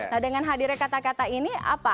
nah dengan hadirnya kata kata ini apa